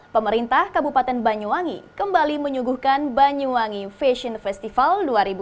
pemerintah kabupaten banyuwangi kembali menyuguhkan banyuwangi fashion festival dua ribu dua puluh